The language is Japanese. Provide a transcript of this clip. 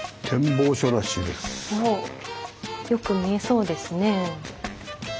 よく見えそうですね。